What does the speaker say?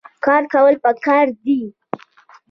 کار کول پکار دي